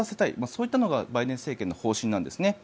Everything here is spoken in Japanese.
そういったのがバイデン政権の方針なんですね。